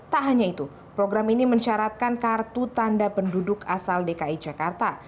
tak hanya itu program ini mensyaratkan kartu tanda penduduk asal dki jakarta